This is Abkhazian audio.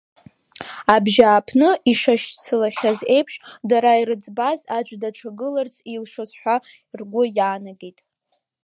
Абжьааԥны ишашьцылахьаз еиԥш, дара ирыӡбаз аӡә даҿагыларц илшом ҳәа ргәы иаанагеит.